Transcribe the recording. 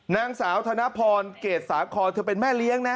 นางสาวธนพรเกรดสาคอเธอเป็นแม่เลี้ยงนะ